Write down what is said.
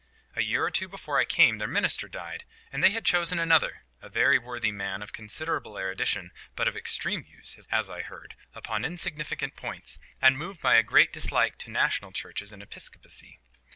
A year or two before I came, their minister died, and they had chosen another, a very worthy man, of considerable erudition, but of extreme views, as I heard, upon insignificant points, and moved by a great dislike to national churches and episcopacy.